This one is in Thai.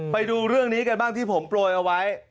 ไปดูเรื่องนี้กันบ้างที่ผมโปรยเอาไว้